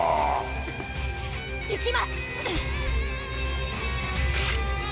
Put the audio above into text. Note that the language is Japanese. いきます！